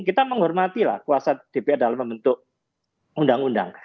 kita menghormatilah kuasa dpr dalam membentuk undang undang